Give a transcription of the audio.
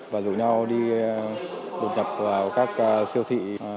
và rủ nhau đi đột nhập vào các siêu thị